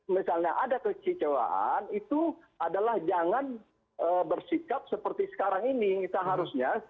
misalnya ada kecewaan itu adalah jangan bersikap seperti sekarang ini kita harusnya